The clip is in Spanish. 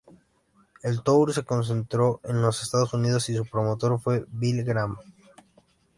El tour se concentró en los Estados Unidos y su promotor fue Bill Graham.